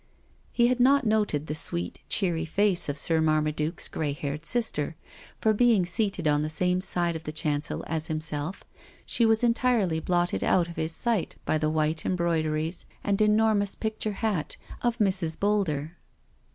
He had not noted the sweet, cheery face of Sir Marmaduke's grey haired sister, for being seated on the same side of the chancel as himself, she was entirely blotted out of his sight by the white embroideries and enormous picture hat of Mrs. Boulder.